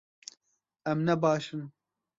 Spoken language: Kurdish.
Em ne baş in